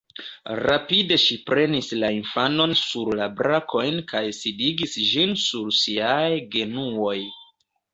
Rapide ŝi prenis la infanon sur la brakojn kaj sidigis ĝin sur siaj genuoj.